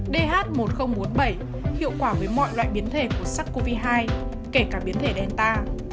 dh một nghìn bốn mươi bảy hiệu quả với mọi loại biến thể của sars cov hai kể cả biến thể delta